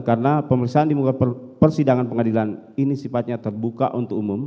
karena pemiksaan di muka persidangan pengadilan ini sifatnya terbuka untuk umum